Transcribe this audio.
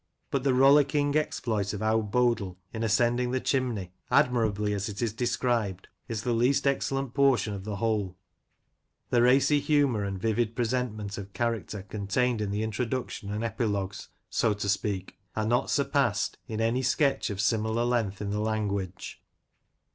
But the rollicking exploit of Owd Bodle in ascending the chimney, admirably as it is described, is the least excellent portion of the whole : the racy humour, and vivid presentment of character con tained in the introduction and epilogue, so to speak, are not surpassed in any sketch of similar length in the language.